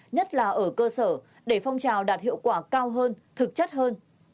nhất là ở cơ sở để phong trào đạt hiệu quả cao hơn thực chất hơn